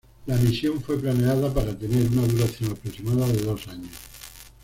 La misión fue planeada para tener una duración aproximada de dos años.